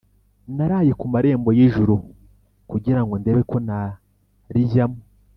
naraye ku marembo yijuru kugirango ndebe ko nariyjamo